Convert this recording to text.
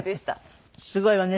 すごいわね。